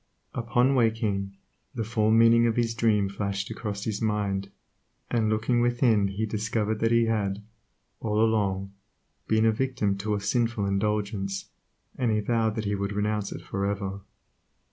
Upon waking, the fall meaning of his dream flashed across his mind, and looking within he discovered that he had, all along, been a victim to a sinful indulgence, and he vowed that he would renounce it for ever.